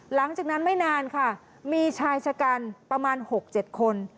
หลังจากนั้นไม่นานค่ะมีชายชะกันประมาณ๖๗คน